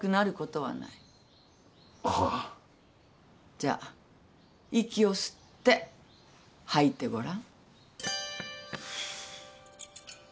じゃあ息を吸って吐いてごらん。